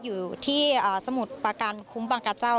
อยู่ที่สมุทรประการคุ้มบังกะเจ้า